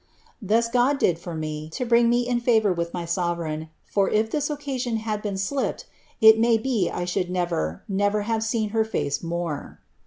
Thus God did for me, lo nic in favour wilh my sovereign, for if ihis occasion had been sU it mav be ! should never, never have seen her face more.''